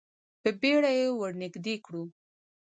په بیړه یې ور نږدې کړو.